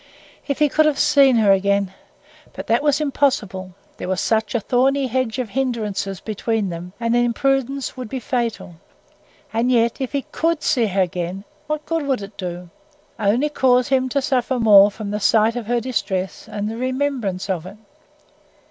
If he could have seen her again! But that was impossible; there was such a thorny hedge of hindrances between them, and an imprudence would be fatal. And yet, if he could see her again, what good would it do? Only cause him to suffer more from the sight of her distress and the remembrance of it.